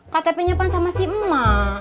ktpnya kan sama si emak